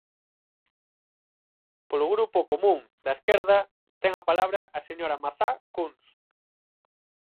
Polo Grupo Común da Esquerda, ten a palabra a señora Mazá Cuns.